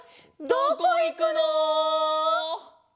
どこいくの？